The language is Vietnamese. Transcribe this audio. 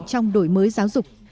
trong đổi mới giáo dục